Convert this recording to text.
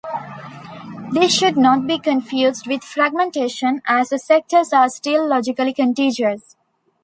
This should not be confused with fragmentation, as the sectors are still logically contiguous.